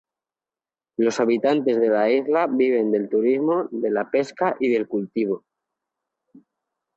Los habitantes de la isla, viven del turismo, de la pesca y del cultivo.